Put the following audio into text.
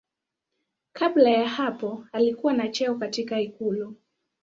Kabla ya hapo alikuwa na cheo katika ikulu.